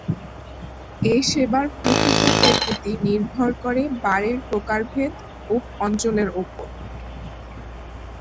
এ সেবার প্রকৃত প্রকৃতি নির্ভর করে বারের প্রকারভেদ ও অঞ্চলের ওপর।